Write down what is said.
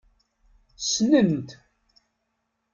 Ssnen-t.